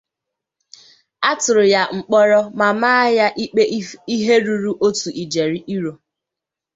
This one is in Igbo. A tụrụ ya mkpọrọ ma maa ya ikpe ihe ruru otu ijeri euro.